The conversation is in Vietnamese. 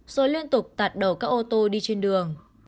rồi liên tục tạt đầu các ô tô đi trên đường